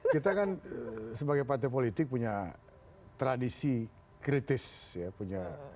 kita kan sebagai partai politik punya tradisi kritis ya punya